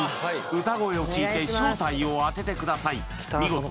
歌声を聴いて正体を当ててください